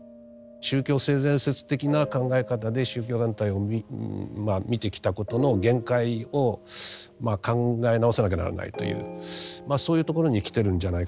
宗教性善説的な考え方で宗教団体をまあ見てきたことの限界を考え直さなきゃならないというそういうところに来てるんじゃないかな。